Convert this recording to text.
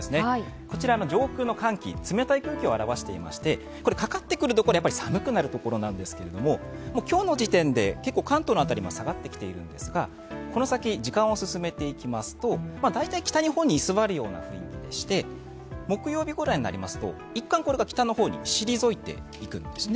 こちら上空の寒気、冷たい空気を表していましてかかってくるところ寒くなってくるところなんですが結構関東の辺りも下がってきているんですが、この先、時間を進めていきますと大体、北日本居すわる様な形で木曜日ぐらいになりますといったん、これが北の方に退いていくんですね。